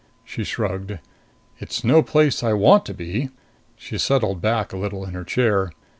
She shrugged. "It's no place I want to be." She settled back a little in her chair.